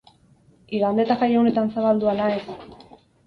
Igande eta jaiegunetan zabaldu ala ez?